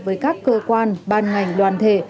với các cơ quan ban ngành đoàn thể